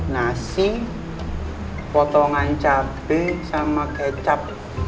nasi potongan cabai sama kecap